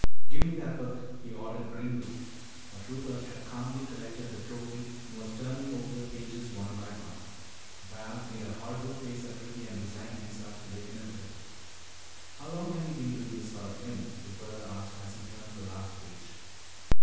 "Give me that book!" he ordered grimly. But Rupert had calmly collected the trophy and was turning over the pages one by one. Val made a horrible face at Ricky and resigned himself to the inevitable. "How long have you been doing this sort of thing?" his brother asked as he turned the last page.